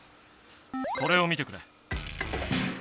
これを見てくれ。